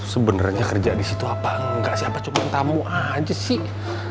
sebenernya kerja disitu apa engga siapa cuman tamu aja sih